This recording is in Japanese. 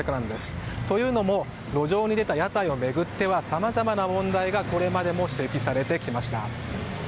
というのも路上に出た屋台を巡ってはさまざまな問題がこれまでも指摘されてきました。